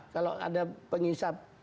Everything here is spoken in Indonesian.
kalau ada pengisap